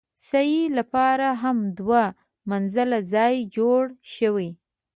سعې لپاره هم دوه منزله ځای جوړ شوی.